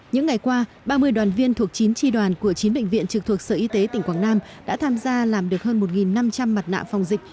những ngày qua ba mươi đoàn viên thuộc chín tri đoàn của chín bệnh viện trực thuộc sở y tế tỉnh quảng nam đã tham gia làm được hơn một năm trăm linh mặt nạ phòng dịch